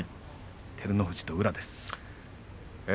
照ノ富士と宇良です。